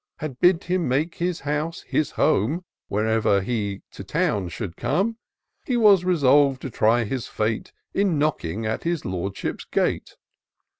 Had bid him make his house his home Whenever he to town should come. He was resolved to try his fate In knocking at his Lordship's gate.